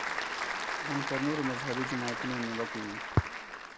ان پر نورو مذهبي جماعتونو نیوکې دي.